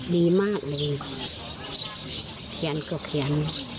ดีมากเลยขยันก็ขยัน